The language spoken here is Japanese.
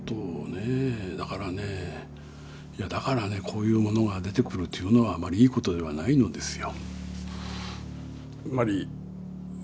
だからねだからねこういうものが出てくるというのはあまりいいことではないのですよ。